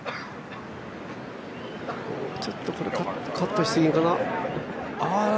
ちょっとカットしてるかな？